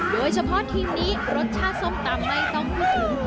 โดยเฉพาะทีมนี้รสชาติส้มตำไม่ต้องพูดถึง